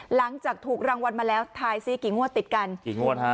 หลังจากถูกรางวัลมาแล้วทายสิกี่งวดติดกันกี่งวดฮะ